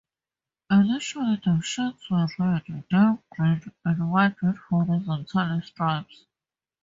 Initially, the shirts were red, then green and white with horizontal stripes.